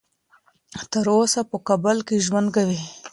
تر اوسه په کابل کې ژوند کوي.